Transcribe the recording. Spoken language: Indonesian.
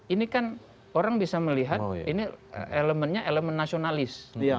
ini kan orang bisa melihat ini elemennya elemen nasionalis